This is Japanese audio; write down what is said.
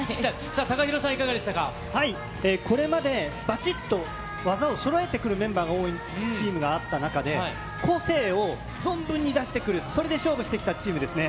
さあ、ＴＡＫＡＨＩＲＯさん、これまで、ばちっと技をそろえてくるメンバーが多い、チームがあった中で、個性を存分に出してくる、それで勝負してきたチームですね。